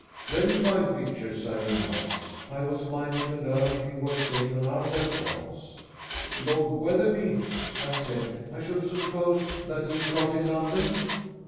"Very fine pictures," I remarked. I was minded to learn if he were sane on other points. "Lord Wetherby," I said, "I should suppose that he is not in London?"